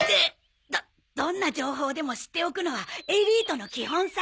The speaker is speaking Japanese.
どどんな情報でも知っておくのはエリートの基本さ。